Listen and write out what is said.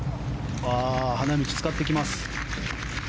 花道を使ってきます。